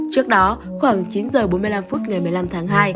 trước đó khoảng chín h bốn mươi năm phút ngày một mươi năm tháng hai